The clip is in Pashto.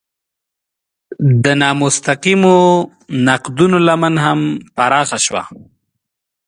د نامستقیمو نقدونو لمن هم پراخه شوه.